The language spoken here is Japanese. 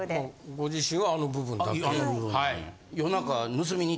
ご自身はあの部分だけ。